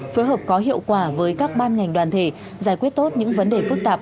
phối hợp có hiệu quả với các ban ngành đoàn thể giải quyết tốt những vấn đề phức tạp